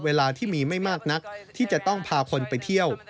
เวลาที่มีไม่มากนักที่จะต้องพาคนไปเที่ยว